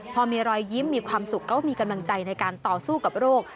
พอมีรอยยิ้มมีความสุขก็มีกำลังใจในการต่อสู้กับโรค